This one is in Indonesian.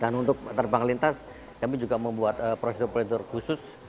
dan untuk terbang lintas kami juga membuat prosedur prosedur khusus